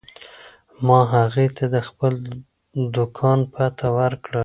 ما هغې ته د خپل دوکان پته ورکړه.